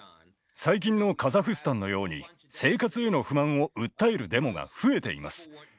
最近のカザフスタンのように生活への不満を訴えるデモが増えています。